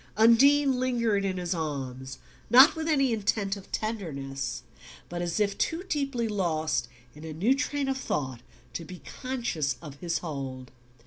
Undine lingered in his arms, not with any intent of tenderness, but as if too deeply lost in a new train of thought to be conscious of his hold.